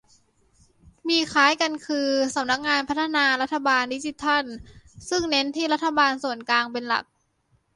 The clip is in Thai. มีคล้ายกันคือ สำนักงานพัฒนารัฐบาลดิจิทัล ซึ่งเน้นที่รัฐบาลส่วนกลางเป็นหลัก